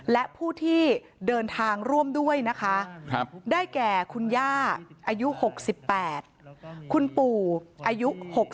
และผู้ที่เดินทางร่วมด้วยนะคะได้แก่คุณย่าอายุ๖๘คุณปู่อายุ๖๒